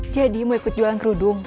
mau ikut jualan kerudung